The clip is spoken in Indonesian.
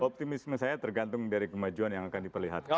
optimisme saya tergantung dari kemajuan yang akan diperlihatkan